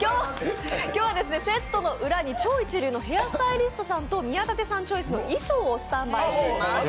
今日はセットの裏に超一流のヘアスタイリストさんと宮舘さんチョイスの衣装をスタンバイしております。